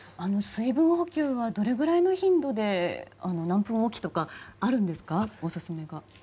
水分補給はどれぐらいの頻度で何分おきとかあるんですか？